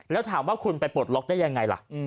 แล้วถามว่าคุณไปปลดล็อกได้ยังไงล่ะ